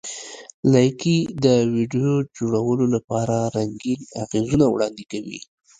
لایکي د ویډیو جوړولو لپاره رنګین اغېزونه وړاندې کوي.